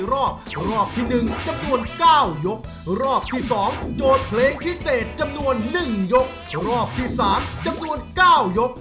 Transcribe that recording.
รอบที่๓จำนวน๙ยก